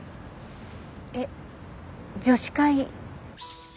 えっ女子会？